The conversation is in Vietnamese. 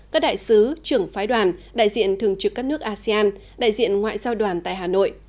các đại sứ trưởng phái đoàn đại diện thường trực các nước asean đại diện ngoại giao đoàn tại hà nội